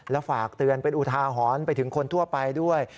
และฝากเตือนเป็นอุทาหรณ์ไปถึงคนทั่วไปด้วย